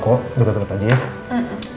kok deket deket aja ya